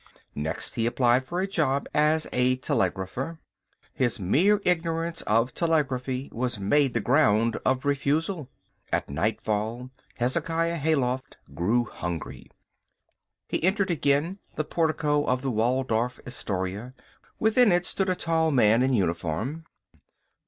Next he applied for a job as a telegrapher. His mere ignorance of telegraphy was made the ground of refusal. At nightfall Hezekiah Hayloft grew hungry. He entered again the portico of the Waldorf Astoria. Within it stood a tall man in uniform.